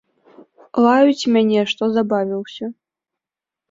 Лаюць мяне, што забавіўся.